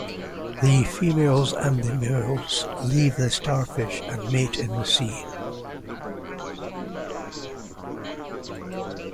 The females and the males leave the starfish and mate in the sea.